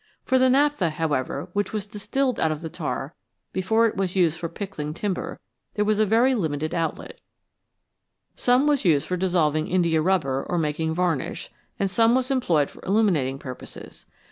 For the naphtha, however, which was distilled out of the tar before it was used for pickling timber there was a very limited outlet. Some was used for dissolving 283 VALUABLE SUBSTANCES indiarubber or making varnish, and some was employed for illuminating purposes.